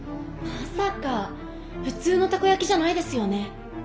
まさか普通のたこやきじゃないですよね？